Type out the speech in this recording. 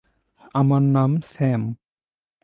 আমার নাম স্যাম।